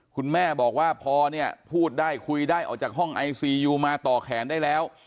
คุณแม่บอกว่าพอเนี่ยพูดได้คุยได้ออกจากห้องไอซียูมาต่อแขนได้แล้ว